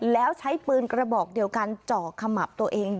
แล้วใช้ปืนกระบอกเดียวกันเจาะขมับตัวเอง